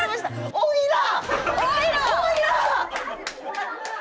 「おいら」！